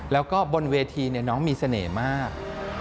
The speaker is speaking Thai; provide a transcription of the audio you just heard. แล้วก็บนเวทีน้องมีเสน่ห์มาก